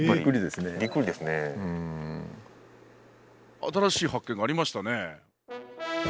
新しい発見がありましたね。